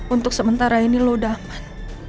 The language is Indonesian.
untuk sementara ini lo udah aman